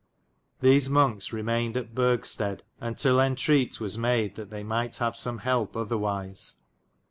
Thes monks remainid at Burgstede untyll entrete was made that they might have sum helpe otherwyse.